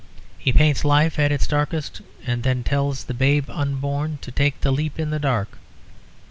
He paints life at its darkest and then tells the babe unborn to take the leap in the dark.